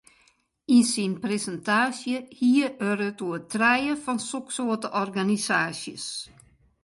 Yn syn presintaasje hie er it oer trije fan soksoarte organisaasjes.